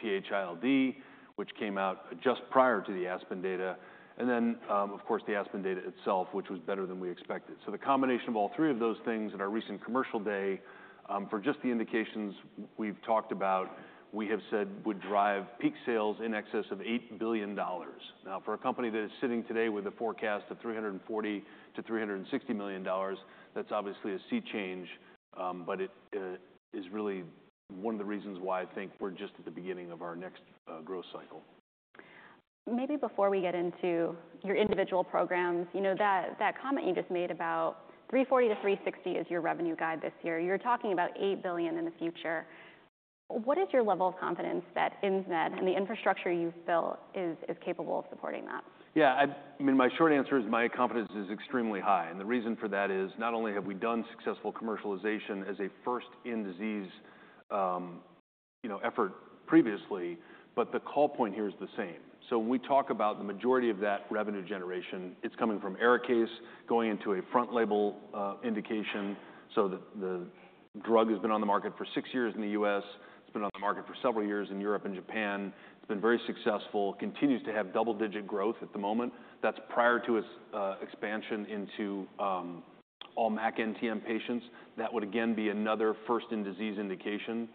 PH-ILD, which came out just prior to the ASPEN data, and then, of course, the ASPEN data itself, which was better than we expected. So the combination of all three of those things and our recent commercial day for just the indications we've talked about, we have said would drive peak sales in excess of $8 billion. Now, for a company that is sitting today with a forecast of $340 million-$360 million, that's obviously a sea change, but it is really one of the reasons why I think we're just at the beginning of our next growth cycle. Maybe before we get into your individual programs, you know that comment you just made about $340 million-$360 million is your revenue guide this year. You're talking about $8 billion in the future. What is your level of confidence that Insmed and the infrastructure you've built is capable of supporting that? Yeah, I mean, my short answer is my confidence is extremely high. The reason for that is not only have we done successful commercialization as a first-in-disease effort previously, but the call point here is the same. So when we talk about the majority of that revenue generation, it's coming from ARIKAYCE, going into a frontline indication. So the drug has been on the market for six years in the U.S. It's been on the market for several years in Europe and Japan. It's been very successful, continues to have double-digit growth at the moment. That's prior to its expansion into all MAC NTM patients. That would, again, be another first-in-disease indication.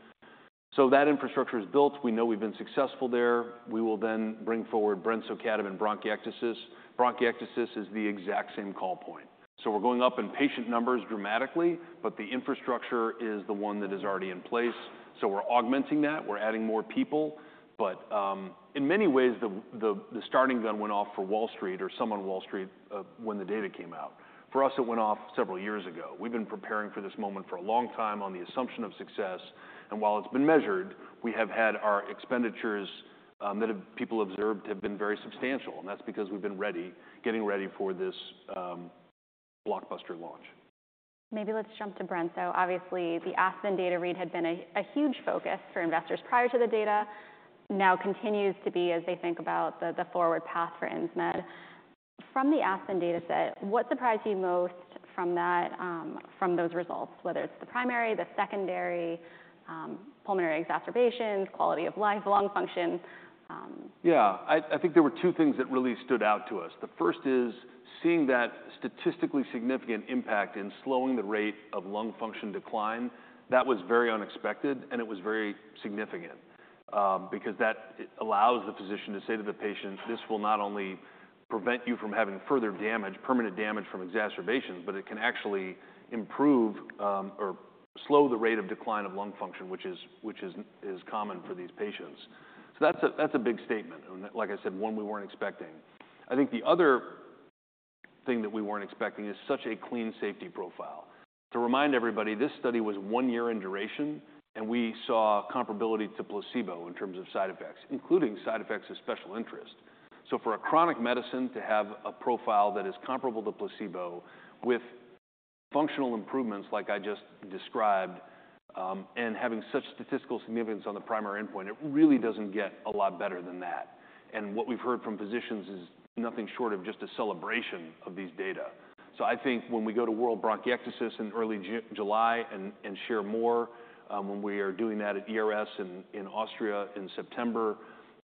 So that infrastructure is built. We know we've been successful there. We will then bring forward brensocatib and bronchiectasis. Bronchiectasis is the exact same call point. So we're going up in patient numbers dramatically, but the infrastructure is the one that is already in place. So we're augmenting that. We're adding more people. But in many ways, the starting gun went off for Wall Street or some on Wall Street when the data came out. For us, it went off several years ago. We've been preparing for this moment for a long time on the assumption of success. And while it's been measured, we have had our expenditures that people observed have been very substantial. And that's because we've been getting ready for this blockbuster launch. Maybe let's jump to brensocatib. Obviously, the ASPEN data read had been a huge focus for investors prior to the data, now continues to be as they think about the forward path for Insmed. From the ASPEN data set, what surprised you most from those results, whether it's the primary, the secondary, pulmonary exacerbations, quality of life, lung function? Yeah, I think there were two things that really stood out to us. The first is seeing that statistically significant impact in slowing the rate of lung function decline. That was very unexpected, and it was very significant because that allows the physician to say to the patient, this will not only prevent you from having further damage, permanent damage from exacerbations, but it can actually improve or slow the rate of decline of lung function, which is common for these patients. So that's a big statement. And like I said, one we weren't expecting. I think the other thing that we weren't expecting is such a clean safety profile. To remind everybody, this study was one year in duration, and we saw comparability to placebo in terms of side effects, including side effects of special interest. So for a chronic medicine to have a profile that is comparable to placebo with functional improvements like I just described and having such statistical significance on the primary endpoint, it really doesn't get a lot better than that. What we've heard from physicians is nothing short of just a celebration of these data. I think when we go to World Bronchiectasis in early July and share more when we are doing that at ERS in Austria in September,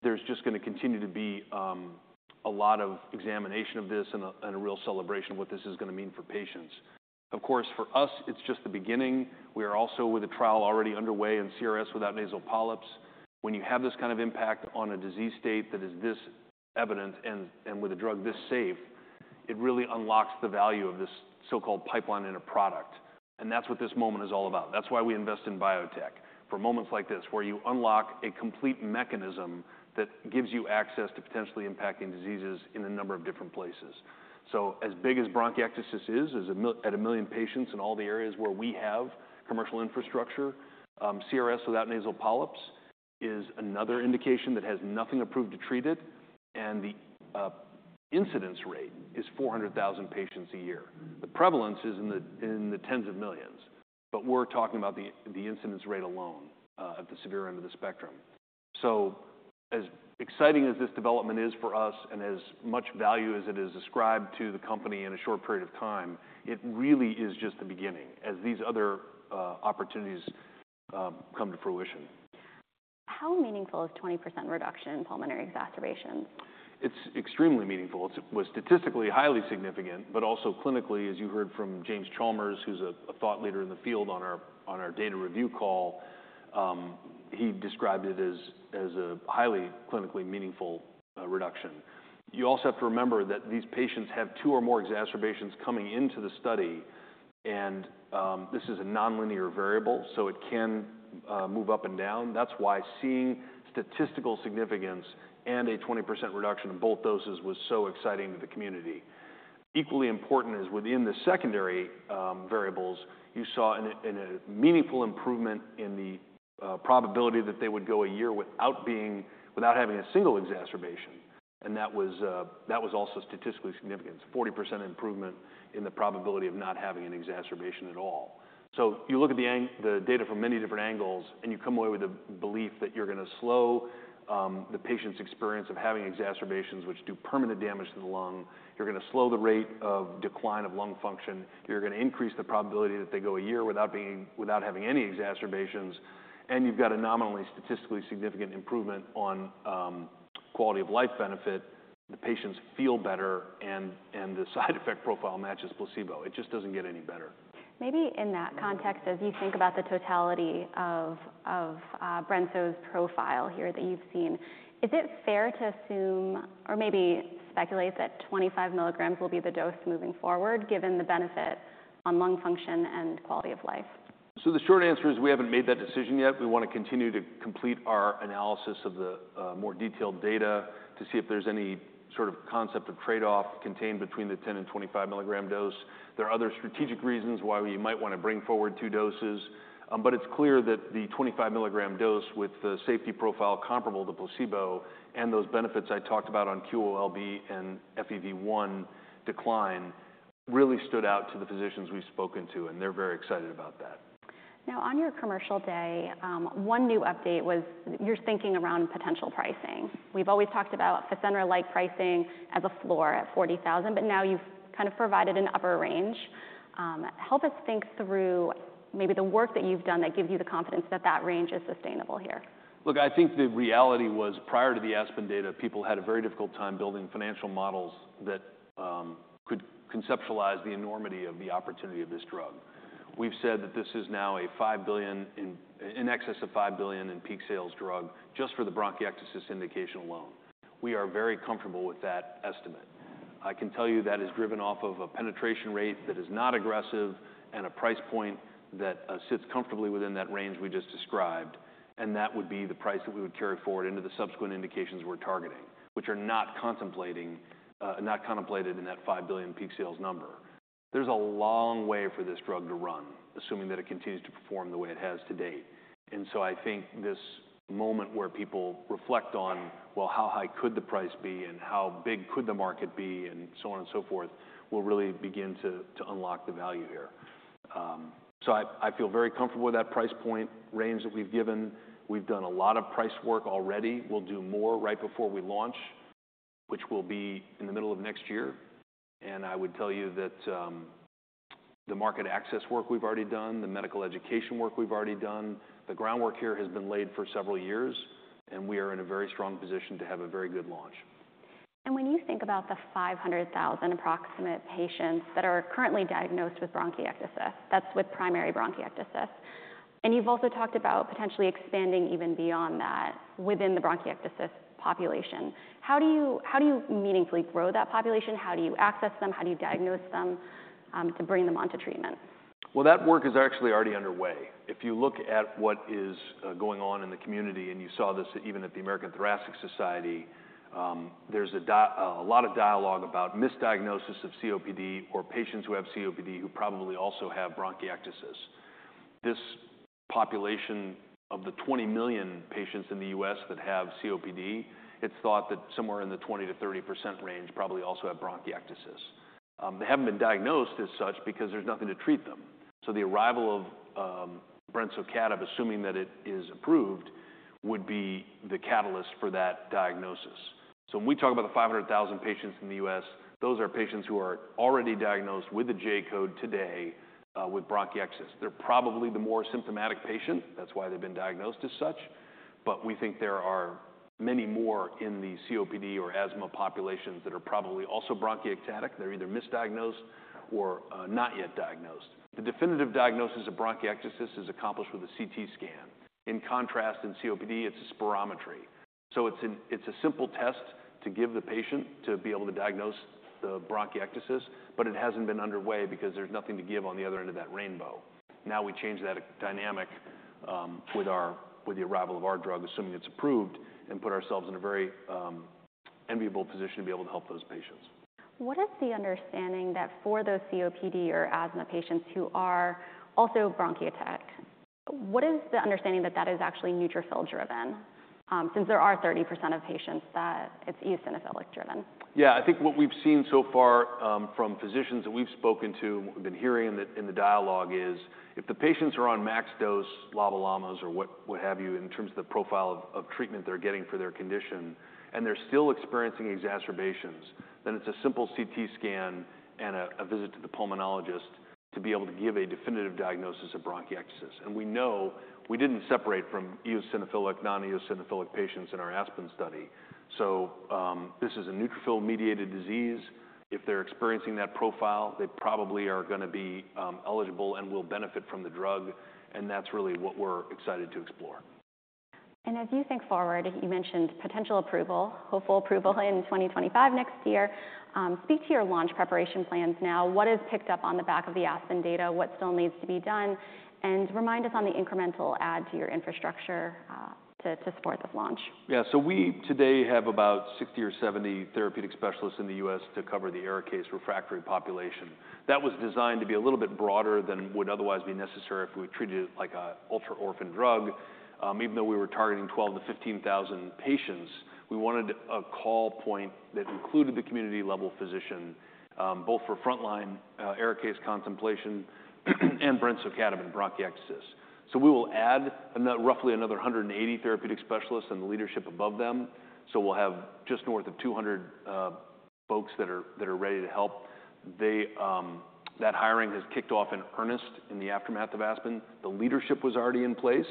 there's just going to continue to be a lot of examination of this and a real celebration of what this is going to mean for patients. Of course, for us, it's just the beginning. We are also with a trial already underway in CRS without nasal polyps. When you have this kind of impact on a disease state that is this evident and with a drug this safe, it really unlocks the value of this so-called pipeline in a product. And that's what this moment is all about. That's why we invest in biotech for moments like this, where you unlock a complete mechanism that gives you access to potentially impacting diseases in a number of different places. So as big as bronchiectasis is, at 1 million patients in all the areas where we have commercial infrastructure, CRS without nasal polyps is another indication that has nothing approved to treat it. And the incidence rate is 400,000 patients a year. The prevalence is in the tens of millions, but we're talking about the incidence rate alone at the severe end of the spectrum. As exciting as this development is for us and as much value as it has ascribed to the company in a short period of time, it really is just the beginning as these other opportunities come to fruition. How meaningful is 20% reduction in pulmonary exacerbations? It's extremely meaningful. It was statistically highly significant, but also clinically, as you heard from James Chalmers, who's a thought leader in the field on our data review call, he described it as a highly clinically meaningful reduction. You also have to remember that these patients have two or more exacerbations coming into the study. And this is a nonlinear variable, so it can move up and down. That's why seeing statistical significance and a 20% reduction in both doses was so exciting to the community. Equally important is within the secondary variables, you saw a meaningful improvement in the probability that they would go a year without having a single exacerbation. And that was also statistically significant, 40% improvement in the probability of not having an exacerbation at all. So you look at the data from many different angles, and you come away with the belief that you're going to slow the patient's experience of having exacerbations, which do permanent damage to the lung. You're going to slow the rate of decline of lung function. You're going to increase the probability that they go a year without having any exacerbations. And you've got a nominally statistically significant improvement on quality of life benefit. The patients feel better, and the side effect profile matches placebo. It just doesn't get any better. Maybe in that context, as you think about the totality of brensocatib's profile here that you've seen, is it fair to assume or maybe speculate that 25 mg will be the dose moving forward, given the benefit on lung function and quality of life? The short answer is we haven't made that decision yet. We want to continue to complete our analysis of the more detailed data to see if there's any sort of concept of trade-off contained between the 10 mg and 25 mg dose. There are other strategic reasons why we might want to bring forward two doses. It's clear that the 25 mg dose with the safety profile comparable to placebo and those benefits I talked about on QOL-B and FEV1 decline really stood out to the physicians we've spoken to, and they're very excited about that. Now, on your commercial day, one new update was your thinking around potential pricing. We've always talked about Fasenra-like pricing as a floor at $40,000, but now you've kind of provided an upper range. Help us think through maybe the work that you've done that gives you the confidence that that range is sustainable here? Look, I think the reality was prior to the ASPEN data, people had a very difficult time building financial models that could conceptualize the enormity of the opportunity of this drug. We've said that this is now a $5 billion, in excess of $5 billion in peak sales drug just for the bronchiectasis indication alone. We are very comfortable with that estimate. I can tell you that is driven off of a penetration rate that is not aggressive and a price point that sits comfortably within that range we just described. And that would be the price that we would carry forward into the subsequent indications we're targeting, which are not contemplated in that $5 billion peak sales number. There's a long way for this drug to run, assuming that it continues to perform the way it has to date. And so I think this moment where people reflect on, well, how high could the price be and how big could the market be and so on and so forth will really begin to unlock the value here. So I feel very comfortable with that price point range that we've given. We've done a lot of price work already. We'll do more right before we launch, which will be in the middle of next year. And I would tell you that the market access work we've already done, the medical education work we've already done, the groundwork here has been laid for several years, and we are in a very strong position to have a very good launch. When you think about the 500,000 approximate patients that are currently diagnosed with bronchiectasis, that's with primary bronchiectasis, and you've also talked about potentially expanding even beyond that within the bronchiectasis population, how do you meaningfully grow that population? How do you access them? How do you diagnose them to bring them onto treatment? Well, that work is actually already underway. If you look at what is going on in the community and you saw this even at the American Thoracic Society, there's a lot of dialogue about misdiagnosis of COPD or patients who have COPD who probably also have bronchiectasis. This population of the 20 million patients in the U.S. that have COPD, it's thought that somewhere in the 20%-30% range probably also have bronchiectasis. They haven't been diagnosed as such because there's nothing to treat them. So the arrival of brensocatib, assuming that it is approved, would be the catalyst for that diagnosis. So when we talk about the 500,000 patients in the U.S., those are patients who are already diagnosed with the J-code today with bronchiectasis. They're probably the more symptomatic patient. That's why they've been diagnosed as such. But we think there are many more in the COPD or asthma populations that are probably also bronchiectatic. They're either misdiagnosed or not yet diagnosed. The definitive diagnosis of bronchiectasis is accomplished with a CT scan. In contrast, in COPD, it's a spirometry. So it's a simple test to give the patient to be able to diagnose the bronchiectasis, but it hasn't been underway because there's nothing to give on the other end of that rainbow. Now we change that dynamic with the arrival of our drug, assuming it's approved, and put ourselves in a very enviable position to be able to help those patients. What is the understanding that for those COPD or asthma patients who are also bronchiectatic, what is the understanding that that is actually neutrophil-driven since there are 30% of patients that it's eosinophilic-driven? Yeah, I think what we've seen so far from physicians that we've spoken to and we've been hearing in the dialogue is if the patients are on max dose LABA/LAMAs or what have you in terms of the profile of treatment they're getting for their condition and they're still experiencing exacerbations, then it's a simple CT scan and a visit to the pulmonologist to be able to give a definitive diagnosis of bronchiectasis. And we know we didn't separate from eosinophilic, non-eosinophilic patients in our ASPEN study. So this is a neutrophil-mediated disease. If they're experiencing that profile, they probably are going to be eligible and will benefit from the drug. And that's really what we're excited to explore. As you think forward, you mentioned potential approval, hopeful approval in 2025 next year. Speak to your launch preparation plans now. What is picked up on the back of the ASPEN data? What still needs to be done? And remind us on the incremental add to your infrastructure to support this launch. Yeah, so we today have about 60 or 70 therapeutic specialists in the US to cover the ARIKAYCE refractory population. That was designed to be a little bit broader than would otherwise be necessary if we treated it like an ultra-orphan drug. Even though we were targeting 12,000-15,000 patients, we wanted a call point that included the community-level physician, both for frontline ARIKAYCE contemplation and brensocatib in bronchiectasis. So we will add roughly another 180 therapeutic specialists and the leadership above them. So we'll have just north of 200 folks that are ready to help. That hiring has kicked off in earnest in the aftermath of ASPEN. The leadership was already in place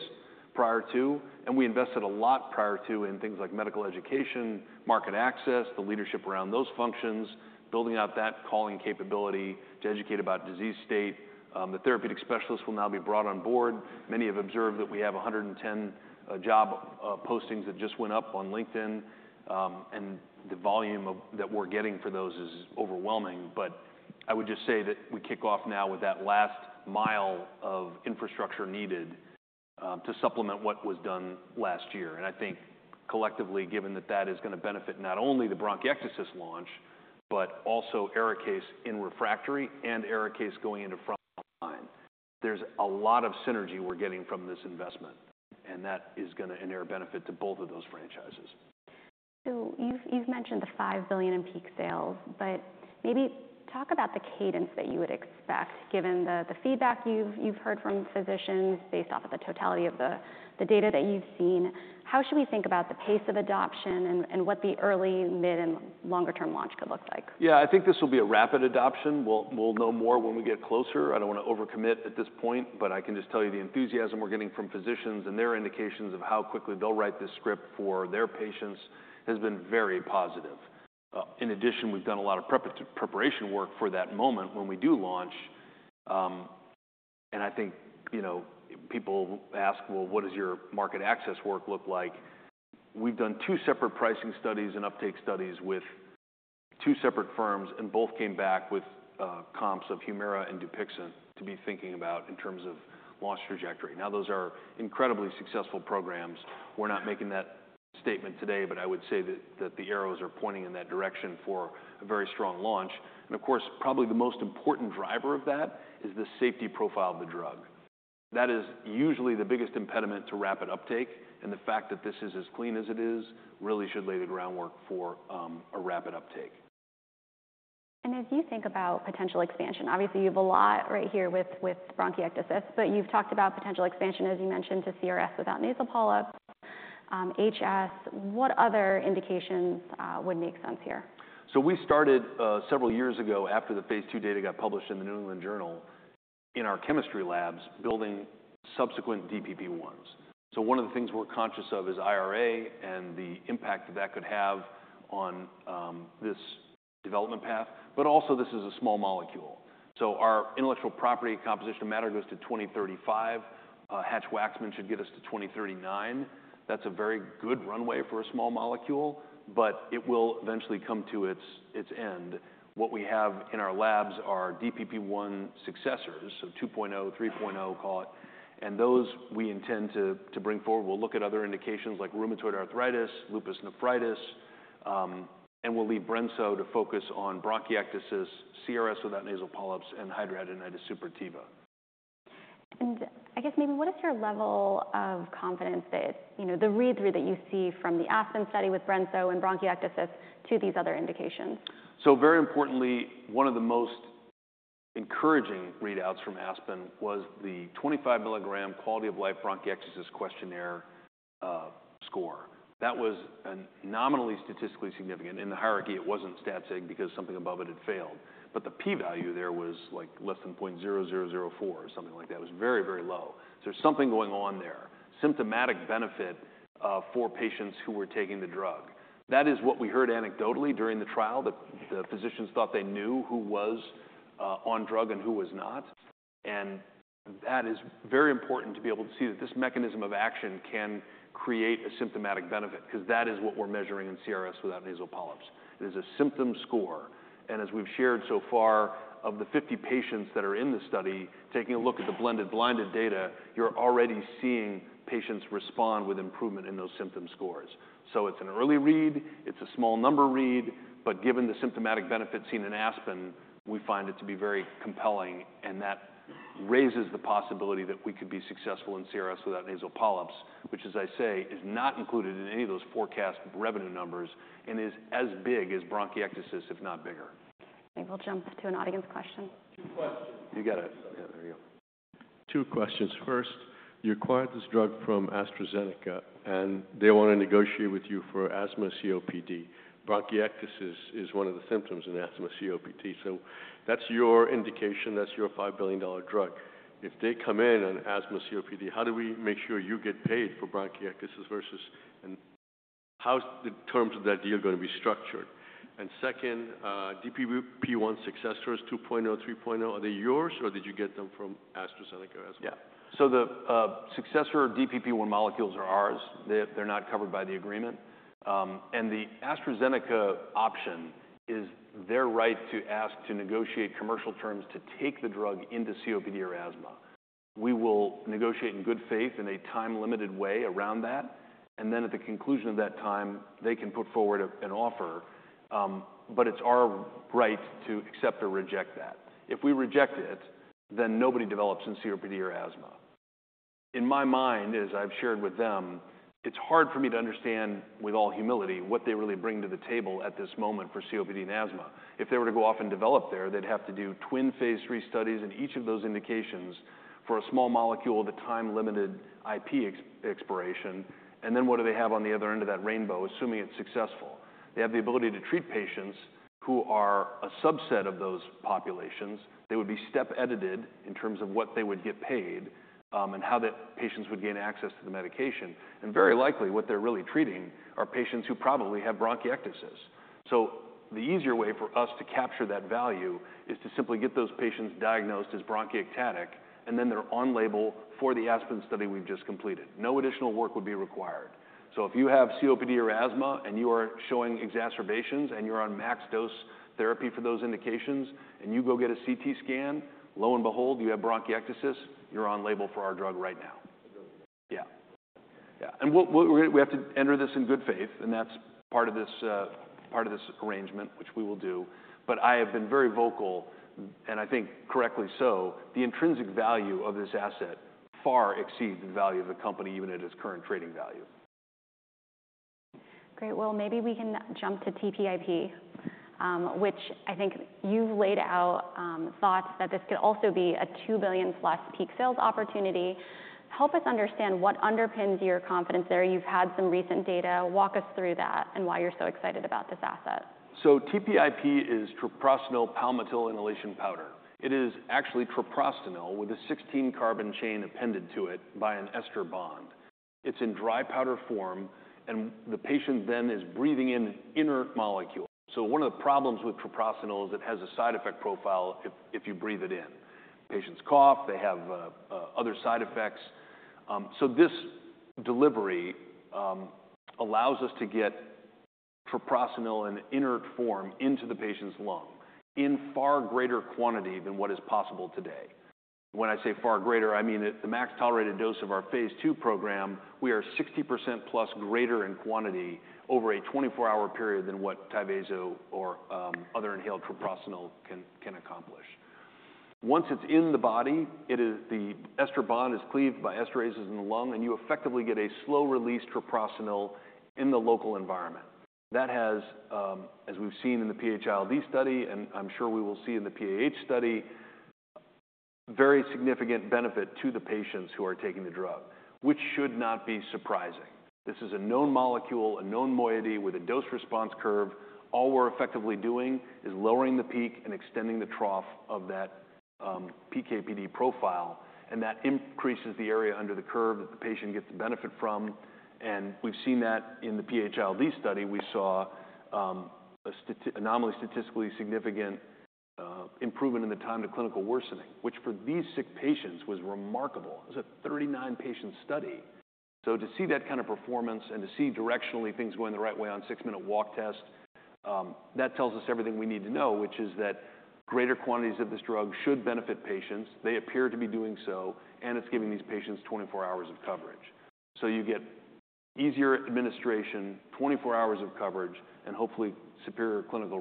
prior to, and we invested a lot prior to in things like medical education, market access, the leadership around those functions, building out that calling capability to educate about disease state. The therapeutic specialists will now be brought on board. Many have observed that we have 110 job postings that just went up on LinkedIn. The volume that we're getting for those is overwhelming. I would just say that we kick off now with that last mile of infrastructure needed to supplement what was done last year. I think collectively, given that that is going to benefit not only the bronchiectasis launch, but also ARIKAYCE in refractory and ARIKAYCE going into frontline, there's a lot of synergy we're getting from this investment. That is going to inherently benefit to both of those franchises. So you've mentioned the $5 billion in peak sales, but maybe talk about the cadence that you would expect given the feedback you've heard from physicians based off of the totality of the data that you've seen. How should we think about the pace of adoption and what the early, mid, and longer-term launch could look like? Yeah, I think this will be a rapid adoption. We'll know more when we get closer. I don't want to overcommit at this point, but I can just tell you the enthusiasm we're getting from physicians and their indications of how quickly they'll write this script for their patients has been very positive. In addition, we've done a lot of preparation work for that moment when we do launch. And I think people ask, well, what does your market access work look like? We've done two separate pricing studies and uptake studies with two separate firms, and both came back with comps of Humira and Dupixent to be thinking about in terms of launch trajectory. Now, those are incredibly successful programs. We're not making that statement today, but I would say that the arrows are pointing in that direction for a very strong launch. And of course, probably the most important driver of that is the safety profile of the drug. That is usually the biggest impediment to rapid uptake. And the fact that this is as clean as it is really should lay the groundwork for a rapid uptake. As you think about potential expansion, obviously you have a lot right here with bronchiectasis, but you've talked about potential expansion, as you mentioned, to CRS without nasal polyps. HS, what other indications would make sense here? So we started several years ago after the phase II data got published in the New England Journal in our chemistry labs building subsequent DPP-1s. So one of the things we're conscious of is IRA and the impact that that could have on this development path. But also, this is a small molecule. So our intellectual property composition of matter goes to 2035. Hatch-Waxman should get us to 2039. That's a very good runway for a small molecule, but it will eventually come to its end. What we have in our labs are DPP-1 successors, so 2.0, 3.0, call it. And those we intend to bring forward. We'll look at other indications like rheumatoid arthritis, lupus nephritis. And we'll leave brensocatib to focus on bronchiectasis, CRS without nasal polyps, and hidradenitis suppurativa. I guess maybe what is your level of confidence that the read-through that you see from the ASPEN study with brensocatib and bronchiectasis to these other indications? So very importantly, one of the most encouraging readouts from ASPEN was the 25 mg Quality of Life-Bronchiectasis questionnaire score. That was nominally statistically significant. In the hierarchy, it wasn't stat-sig because something above it had failed. But the p-value there was like less than 0.0004 or something like that. It was very, very low. So there's something going on there, symptomatic benefit for patients who were taking the drug. That is what we heard anecdotally during the trial that the physicians thought they knew who was on drug and who was not. And that is very important to be able to see that this mechanism of action can create a symptomatic benefit because that is what we're measuring in CRS without nasal polyps. It is a symptom score. As we've shared so far, of the 50 patients that are in the study, taking a look at the blended blinded data, you're already seeing patients respond with improvement in those symptom scores. So it's an early read. It's a small number read. But given the symptomatic benefit seen in ASPEN, we find it to be very compelling. That raises the possibility that we could be successful in CRS without nasal polyps, which, as I say, is not included in any of those forecast revenue numbers and is as big as bronchiectasis, if not bigger. We'll jump to an audience question. Two questions. You got it. Yeah, there you go. Two questions. First, you acquired this drug from AstraZeneca, and they want to negotiate with you for asthma COPD. Bronchiectasis is one of the symptoms in asthma COPD. So that's your indication. That's your $5 billion drug. If they come in on asthma COPD, how do we make sure you get paid for bronchiectasis versus how's the terms of that deal going to be structured? And second, DPP-1 successors, 2.0, 3.0, are they yours or did you get them from AstraZeneca as well? Yeah. So the successor DPP-1 molecules are ours. They're not covered by the agreement. And the AstraZeneca option is their right to ask to negotiate commercial terms to take the drug into COPD or asthma. We will negotiate in good faith in a time-limited way around that. And then at the conclusion of that time, they can put forward an offer. But it's our right to accept or reject that. If we reject it, then nobody develops in COPD or asthma. In my mind, as I've shared with them, it's hard for me to understand with all humility what they really bring to the table at this moment for COPD and asthma. If they were to go off and develop there, they'd have to do twin phase III studies in each of those indications for a small molecule, the time-limited IP expiration. And then what do they have on the other end of that rainbow, assuming it's successful? They have the ability to treat patients who are a subset of those populations. They would be step-edited in terms of what they would get paid and how the patients would gain access to the medication. And very likely what they're really treating are patients who probably have bronchiectasis. So the easier way for us to capture that value is to simply get those patients diagnosed as bronchiectatic and then they're on label for the ASPEN study we've just completed. No additional work would be required. So if you have COPD or asthma and you are showing exacerbations and you're on max dose therapy for those indications and you go get a CT scan, lo and behold, you have bronchiectasis, you're on label for our drug right now. Yeah. Yeah. We have to enter this in good faith. That's part of this arrangement, which we will do. But I have been very vocal, and I think correctly so, the intrinsic value of this asset far exceeds the value of the company even at its current trading value. Great. Well, maybe we can jump to TPIP, which I think you've laid out thoughts that this could also be a $2 billion+ peak sales opportunity. Help us understand what underpins your confidence there. You've had some recent data. Walk us through that and why you're so excited about this asset. So TPIP is treprostinil palmitil inhalation powder. It is actually treprostinil with a 16-carbon chain appended to it by an ester bond. It's in dry powder form, and the patient then is breathing in inert molecules. So one of the problems with treprostinil is it has a side effect profile if you breathe it in. Patients cough. They have other side effects. So this delivery allows us to get treprostinil in inert form into the patient's lung in far greater quantity than what is possible today. When I say far greater, I mean at the max tolerated dose of our phase II program, we are 60%+ greater in quantity over a 24-hour period than what Tyvaso or other inhaled treprostinil can accomplish. Once it's in the body, the ester bond is cleaved by esterases in the lung, and you effectively get a slow-release treprostinil in the local environment. That has, as we've seen in the PH-ILD study, and I'm sure we will see in the PAH study, very significant benefit to the patients who are taking the drug, which should not be surprising. This is a known molecule, a known moiety with a dose-response curve. All we're effectively doing is lowering the peak and extending the trough of that PKPD profile. And that increases the area under the curve that the patient gets the benefit from. And we've seen that in the PH-ILD study. We saw a nominally statistically significant improvement in the time to clinical worsening, which for these sick patients was remarkable. It was a 39-patient study. So to see that kind of performance and to see directionally things going the right way on 6-minute walk test, that tells us everything we need to know, which is that greater quantities of this drug should benefit patients. They appear to be doing so, and it's giving these patients 24 hours of coverage. So you get easier administration, 24 hours of coverage, and hopefully superior clinical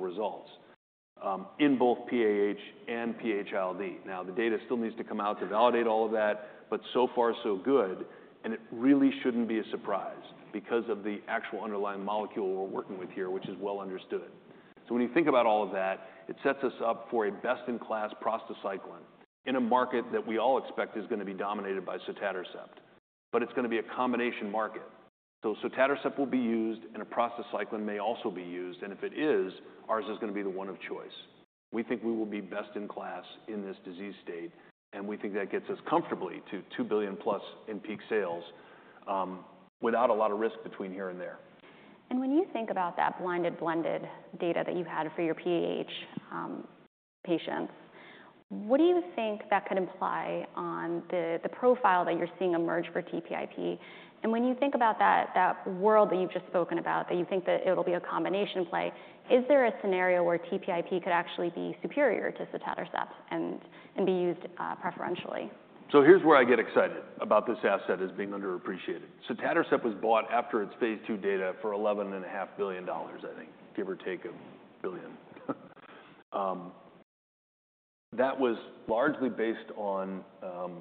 results in both PAH and PH-ILD. Now, the data still needs to come out to validate all of that, but so far, so good. And it really shouldn't be a surprise because of the actual underlying molecule we're working with here, which is well understood. So when you think about all of that, it sets us up for a best-in-class prostacyclin in a market that we all expect is going to be dominated by sotatercept, but it's going to be a combination market. So sotatercept will be used, and a prostacyclin may also be used. And if it is, ours is going to be the one of choice. We think we will be best in class in this disease state, and we think that gets us comfortably to $2 billion+ in peak sales without a lot of risk between here and there. When you think about that blinded-blended data that you had for your PAH patients, what do you think that could imply on the profile that you're seeing emerge for TPIP? And when you think about that world that you've just spoken about, that you think that it'll be a combination play, is there a scenario where TPIP could actually be superior to sotatercept and be used preferentially? So here's where I get excited about this asset as being underappreciated. Sotatercept was bought after its phase II data for $11.5 billion, I think, give or take a billion. That was largely based on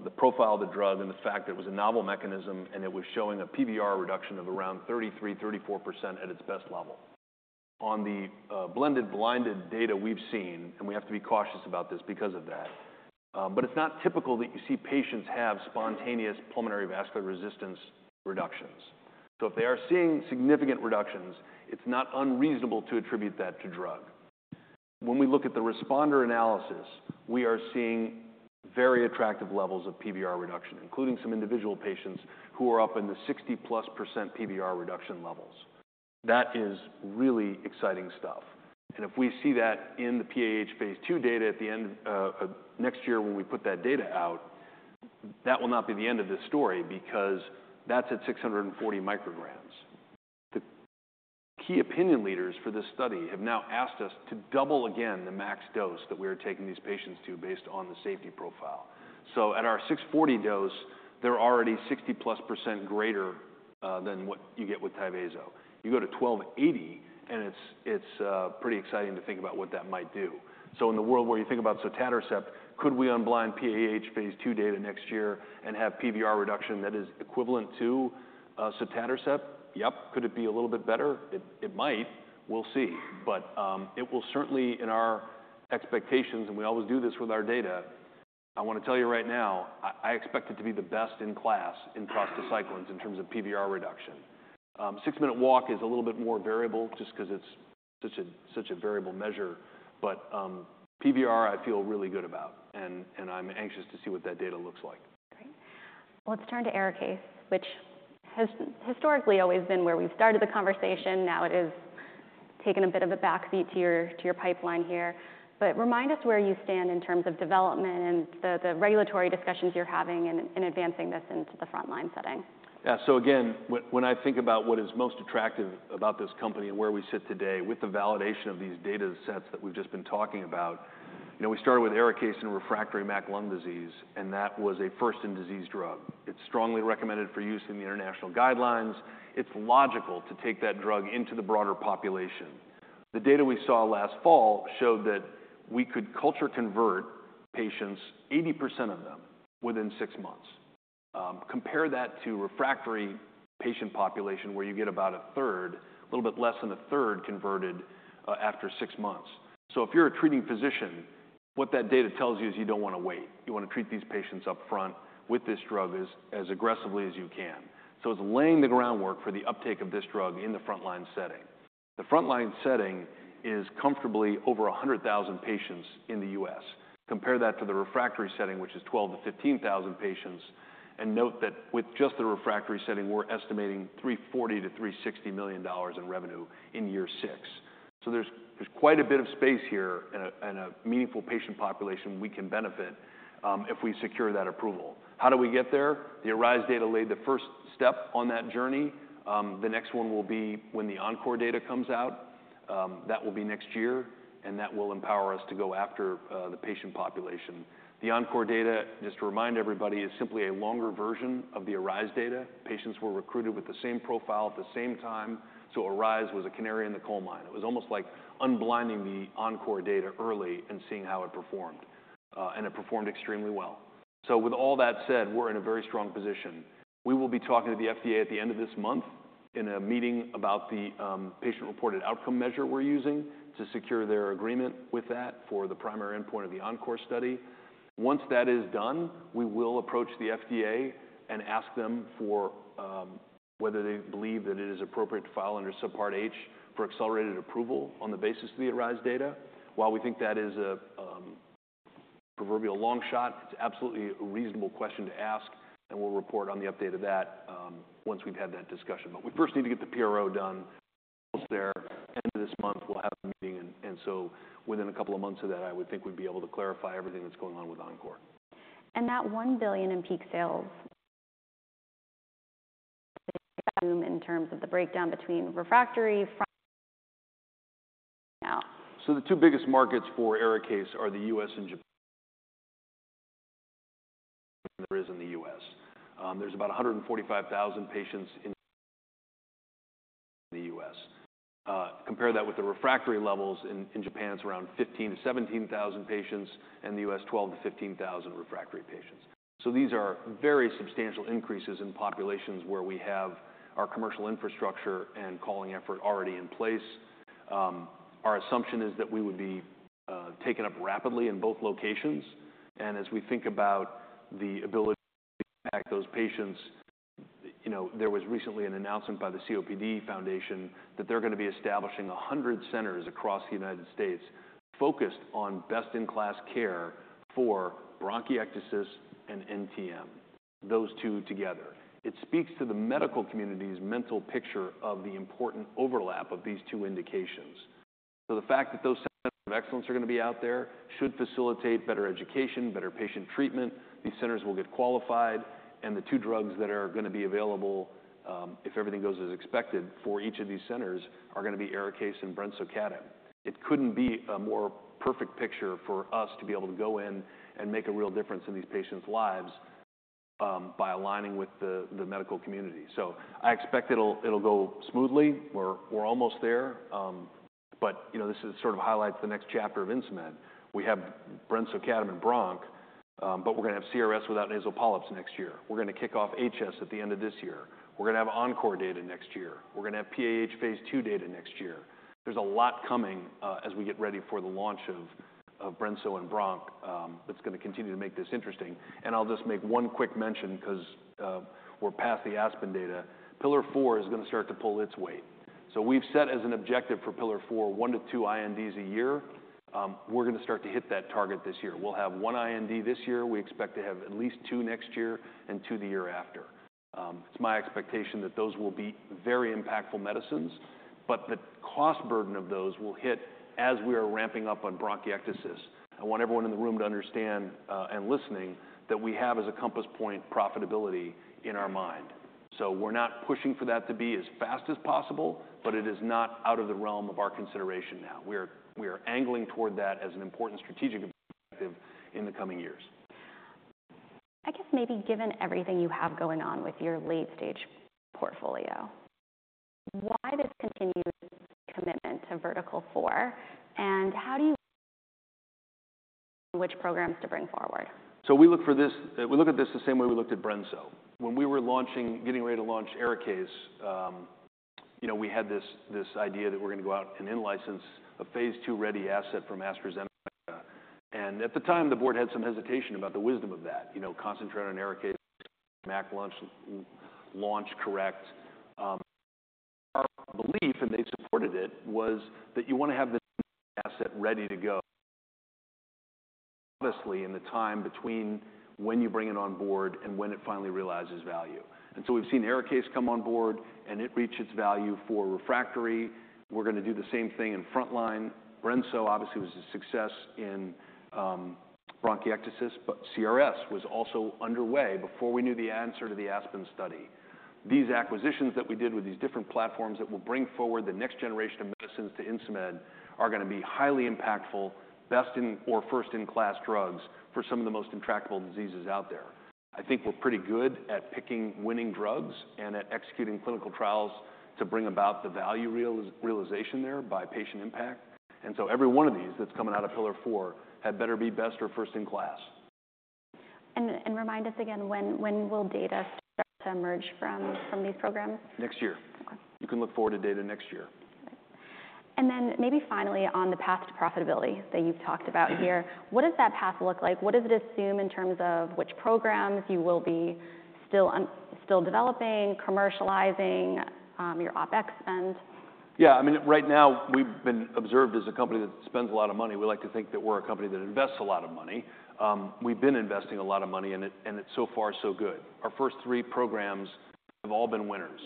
the profile of the drug and the fact that it was a novel mechanism, and it was showing a PVR reduction of around 33%-34% at its best level. On the blended blinded data we've seen, and we have to be cautious about this because of that, but it's not typical that you see patients have spontaneous pulmonary vascular resistance reductions. So if they are seeing significant reductions, it's not unreasonable to attribute that to drug. When we look at the responder analysis, we are seeing very attractive levels of PVR reduction, including some individual patients who are up in the 60+% PVR reduction levels. That is really exciting stuff. If we see that in the PAH phase II data at the end next year when we put that data out, that will not be the end of this story because that's at 640 micrograms. The key opinion leaders for this study have now asked us to double again the max dose that we are taking these patients to based on the safety profile. So at our 640 dose, they're already 60+% greater than what you get with Tyvaso. You go to 1280, and it's pretty exciting to think about what that might do. So in the world where you think about sotatercept, could we unblind PAH phase II data next year and have PVR reduction that is equivalent to sotatercept? Yep. Could it be a little bit better? It might. We'll see. But it will certainly, in our expectations, and we always do this with our data, I want to tell you right now, I expect it to be the best in class in prostacyclins in terms of PVR reduction. Six-minute walk is a little bit more variable just because it's such a variable measure. But PVR, I feel really good about. And I'm anxious to see what that data looks like. Great. Well, let's turn to ARIKAYCE, which has historically always been where we've started the conversation. Now it has taken a bit of a backseat to your pipeline here. But remind us where you stand in terms of development and the regulatory discussions you're having in advancing this into the frontline setting. Yeah. So again, when I think about what is most attractive about this company and where we sit today with the validation of these data sets that we've just been talking about, we started with ARIKAYCE in refractory MAC lung disease, and that was a first-in-disease drug. It's strongly recommended for use in the international guidelines. It's logical to take that drug into the broader population. The data we saw last fall showed that we could culture convert patients, 80% of them, within six months. Compare that to refractory patient population where you get about 1/3, a little bit less than 1/3 converted after six months. So if you're a treating physician, what that data tells you is you don't want to wait. You want to treat these patients upfront with this drug as aggressively as you can. So it's laying the groundwork for the uptake of this drug in the frontline setting. The frontline setting is comfortably over 100,000 patients in the U.S. Compare that to the refractory setting, which is 12,000-15,000 patients. Note that with just the refractory setting, we're estimating $340 million-$360 million in revenue in year six. So there's quite a bit of space here and a meaningful patient population we can benefit if we secure that approval. How do we get there? The ARISE data laid the first step on that journey. The next one will be when the ENCORE data comes out. That will be next year, and that will empower us to go after the patient population. The ENCORE data, just to remind everybody, is simply a longer version of the ARISE data. Patients were recruited with the same profile at the same time. So ARISE was a canary in the coal mine. It was almost like unblinding the ENCORE data early and seeing how it performed. And it performed extremely well. So with all that said, we're in a very strong position. We will be talking to the FDA at the end of this month in a meeting about the patient-reported outcome measure we're using to secure their agreement with that for the primary endpoint of the ENCORE study. Once that is done, we will approach the FDA and ask them whether they believe that it is appropriate to file under Subpart H for accelerated approval on the basis of the ARISE data. While we think that is a proverbial long shot, it's absolutely a reasonable question to ask. And we'll report on the update of that once we've had that discussion. But we first need to get the PRO done. Once they're at the end of this month, we'll have a meeting. Within a couple of months of that, I would think we'd be able to clarify everything that's going on with ENCORE. That $1 billion in peak sales, assuming in terms of the breakdown between refractory and now. So the two biggest markets for ARIKAYCE are the U.S. and Japan. There's about 145,000 patients in the U.S. Compare that with the refractory levels. In Japan, it's around 15,000-17,000 patients, and the U.S., 12,000-15,000 refractory patients. So these are very substantial increases in populations where we have our commercial infrastructure and calling effort already in place. Our assumption is that we would be taken up rapidly in both locations. And as we think about the ability to connect those patients, there was recently an announcement by the COPD Foundation that they're going to be establishing 100 centers across the United States focused on best-in-class care for bronchiectasis and NTM, those two together. It speaks to the medical community's mental picture of the important overlap of these two indications. So the fact that those centers of excellence are going to be out there should facilitate better education, better patient treatment. These centers will get qualified. And the two drugs that are going to be available, if everything goes as expected for each of these centers, are going to be ARIKAYCE and brensocatib. It couldn't be a more perfect picture for us to be able to go in and make a real difference in these patients' lives by aligning with the medical community. So I expect it'll go smoothly. We're almost there. But this sort of highlights the next chapter of Insmed. We have brensocatib and bronchiectasis, but we're going to have CRS without nasal polyps next year. We're going to kick off HS at the end of this year. We're going to have ENCORE data next year. We're going to have PAH phase II data next year. There's a lot coming as we get ready for the launch of brensocatib and bronchiectasis that's going to continue to make this interesting. I'll just make one quick mention because we're past the ASPEN data. Pillar Four is going to start to pull its weight. We've set as an objective for Pillar Four 1-2 INDs a year. We're going to start to hit that target this year. We'll have 1 IND this year. We expect to have at least 2 next year and 2 the year after. It's my expectation that those will be very impactful medicines, but the cost burden of those will hit as we are ramping up on bronchiectasis. I want everyone in the room to understand and listen that we have as a compass point profitability in our mind. We're not pushing for that to be as fast as possible, but it is not out of the realm of our consideration now. We are angling toward that as an important strategic objective in the coming years. I guess maybe given everything you have going on with your late-stage portfolio, why this continued commitment to Pillar Four, and how do you decide which programs to bring forward? So we look at this the same way we looked at brensocatib. When we were getting ready to launch ARIKAYCE, we had this idea that we're going to go out and in-license a phase II ready asset for MAC presentation. At the time, the board had some hesitation about the wisdom of that, concentrate on ARIKAYCE MAC launch correct. Our belief, and they supported it, was that you want to have this asset ready to go obviously in the time between when you bring it on board and when it finally realizes value. And so we've seen ARIKAYCE come on board, and it reached its value for refractory. We're going to do the same thing in frontline. Brensocatib obviously was a success in bronchiectasis, but CRS was also underway before we knew the answer to the ASPEN study. These acquisitions that we did with these different platforms that will bring forward the next generation of medicines to Insmed are going to be highly impactful, best in or first-in-class drugs for some of the most intractable diseases out there. I think we're pretty good at picking winning drugs and at executing clinical trials to bring about the value realization there by patient impact. And so every one of these that's coming out of Pillar Four had better be best or first-in-class. Remind us again, when will data start to emerge from these programs? Next year. You can look forward to data next year. Then maybe finally on the path to profitability that you've talked about here, what does that path look like? What does it assume in terms of which programs you will be still developing, commercializing, your OpEx spend? Yeah. I mean, right now, we've been observed as a company that spends a lot of money. We like to think that we're a company that invests a lot of money. We've been investing a lot of money, and it's so far so good. Our first three programs have all been winners.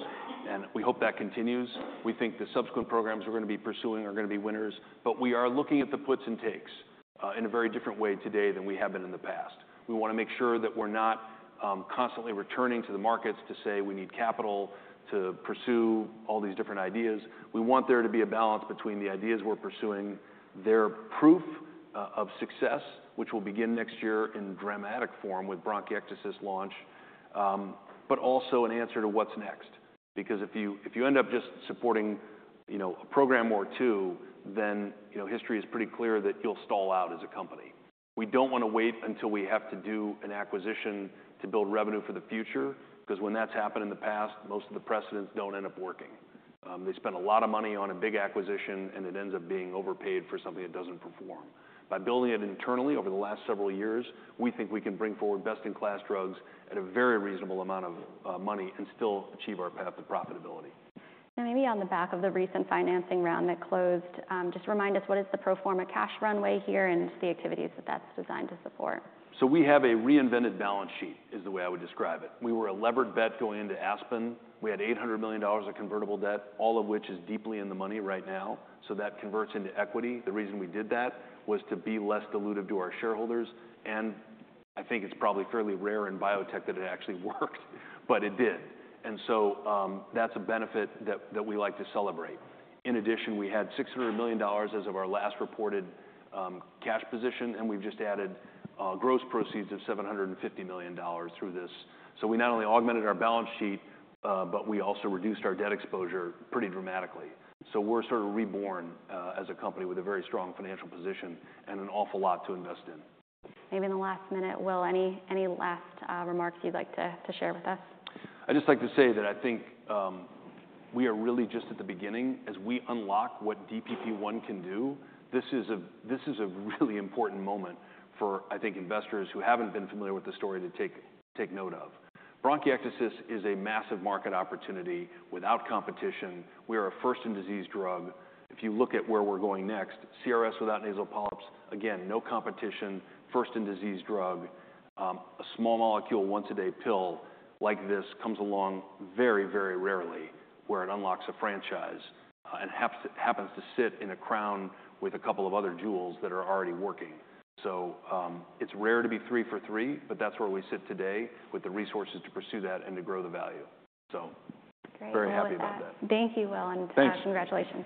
We hope that continues. We think the subsequent programs we're going to be pursuing are going to be winners. We are looking at the puts and takes in a very different way today than we have been in the past. We want to make sure that we're not constantly returning to the markets to say we need capital to pursue all these different ideas. We want there to be a balance between the ideas we're pursuing, their proof of success, which will begin next year in dramatic form with bronchiectasis launch, but also an answer to what's next. Because if you end up just supporting a program or two, then history is pretty clear that you'll stall out as a company. We don't want to wait until we have to do an acquisition to build revenue for the future because when that's happened in the past, most of the precedents don't end up working. They spend a lot of money on a big acquisition, and it ends up being overpaid for something that doesn't perform. By building it internally over the last several years, we think we can bring forward best-in-class drugs at a very reasonable amount of money and still achieve our path to profitability. Maybe on the back of the recent financing round that closed, just remind us what is the pro forma cash runway here and the activities that that's designed to support? So we have a reinvented balance sheet is the way I would describe it. We were a levered bet going into ASPEN. We had $800 million of convertible debt, all of which is deeply in the money right now. So that converts into equity. The reason we did that was to be less dilutive to our shareholders. And I think it's probably fairly rare in biotech that it actually worked, but it did. And so that's a benefit that we like to celebrate. In addition, we had $600 million as of our last reported cash position, and we've just added gross proceeds of $750 million through this. So we not only augmented our balance sheet, but we also reduced our debt exposure pretty dramatically. So we're sort of reborn as a company with a very strong financial position and an awful lot to invest in. Maybe in the last minute, Will, any last remarks you'd like to share with us? I'd just like to say that I think we are really just at the beginning as we unlock what DPP-1 can do. This is a really important moment for, I think, investors who haven't been familiar with the story to take note of. Bronchiectasis is a massive market opportunity without competition. We are a first-in-disease drug. If you look at where we're going next, CRS without nasal polyps, again, no competition, first-in-disease drug. A small molecule once-a-day pill like this comes along very, very rarely where it unlocks a franchise and happens to sit in a crown with a couple of other jewels that are already working. So it's rare to be three for three, but that's where we sit today with the resources to pursue that and to grow the value. So very happy about that. Thank you, Will, and congratulations.